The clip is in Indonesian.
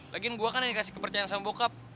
lagiin gue kan yang dikasih kepercayaan sama bokap